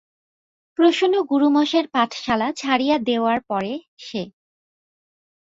প্রসন্ন গুরুমশায়ের পাঠশালা ছাড়িয়া দেওয়ার পরে-সে।